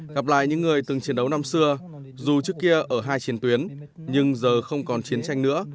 gặp lại những người từng chiến đấu năm xưa dù trước kia ở hai chiến tuyến nhưng giờ không còn chiến tranh nữa